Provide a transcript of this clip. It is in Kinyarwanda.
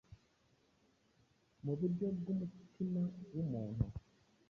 Muburyo bw’umutima w’umuntu